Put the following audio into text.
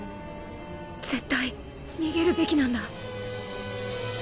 絶対逃げるべきなんだ